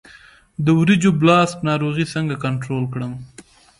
د وریجو بلاست ناروغي څنګه کنټرول کړم؟